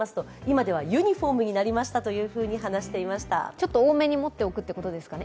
ちょっと多めに持っておくということですかね。